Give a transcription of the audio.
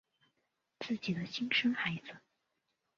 自己的亲生孩子